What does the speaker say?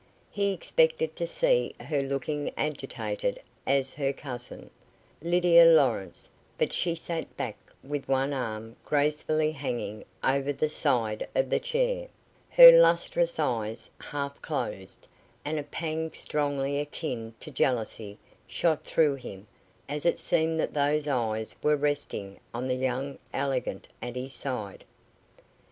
He expected to see her looking agitated as her cousin, Lydia Lawrence, but she sat back with one arm gracefully hanging over the side of the chair, her lustrous eyes half closed; and a pang strongly akin to jealousy shot through him as it seemed that those eyes were resting on the young elegant at his side.